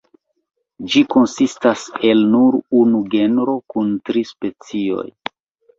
Ĝi konsistas el nur unu genro kun tri specioj.